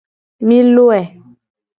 Mi loe.